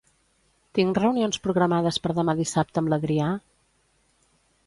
Tinc reunions programades per demà dissabte amb l'Adrià?